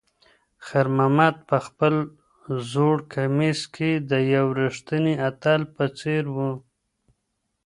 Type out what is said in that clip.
خیر محمد په خپل زوړ کمیس کې د یو ریښتیني اتل په څېر و.